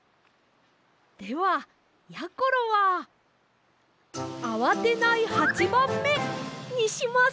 ではやころはあわてない八番目！にします！